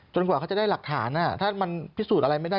กว่าเขาจะได้หลักฐานถ้ามันพิสูจน์อะไรไม่ได้